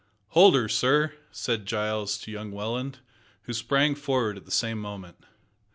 "Hold her, sir," said Giles to young Welland, who sprang forward at the same moment.